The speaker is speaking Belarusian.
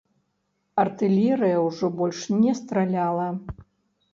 Артылерыя ўжо больш не страляла.